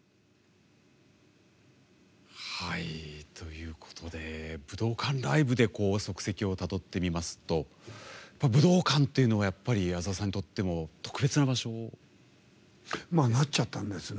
ということで武道館ライブで足跡をたどってみますと武道館っていうのはやっぱり矢沢さんにとっても特別な場所ですか。